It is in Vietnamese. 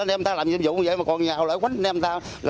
anh em ta làm nhiệm vụ như vậy mà còn nhào lấy quán anh em ta